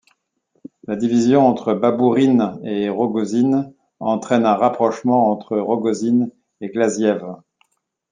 La division entre Babourine et Rogozine entraîne un rapprochement entre Rogozine et Glaziev.